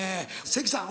関さん